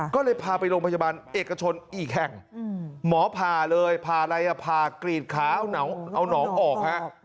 ก็เลยพาไปโรงพยาบาลเอกชนอีแข่งหมอพาเลยพาอะไรพากรีดขาเอาน้องออกครับ